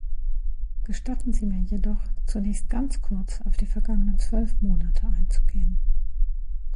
Gestatten Sie mir jedoch, zunächst ganz kurz auf die vergangenen zwölf Monate einzugehen.